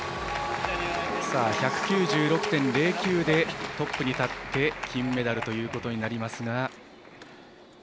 １９６．０９でトップに立って金メダルとなります。